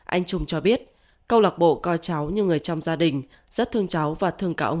anh trung cho biết câu lạc bộ coi cháu như người trong gia đình rất thương cháu và thương cão